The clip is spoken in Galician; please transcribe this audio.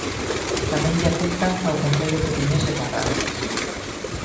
Tamén lle afectan ao concello coruñés de Carral.